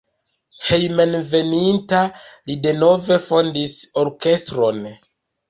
Hejmenveninta li denove fondis orkestron.